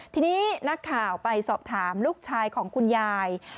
ทีนี้นักข่าวไปสอบถามลูกชายของคุณยาย